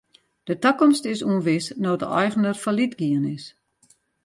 De takomst is ûnwis no't de eigener fallyt gien is.